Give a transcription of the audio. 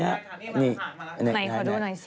นี่นี่นี่ขอดูหน่อยซิ